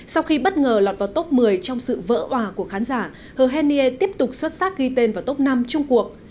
sau khi bất ngờ lọt vào top một mươi trong sự vỡ hòa của khán giả hờ hèn niê tiếp tục xuất sắc ghi tên vào top năm trung quốc